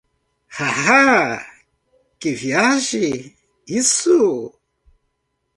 Haha, que viagem, isso.